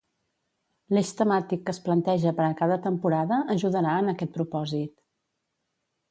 L’Eix temàtic que es planteja per a cada temporada ajudarà en aquest propòsit.